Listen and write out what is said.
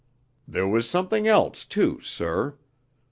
There was something else, too, sir.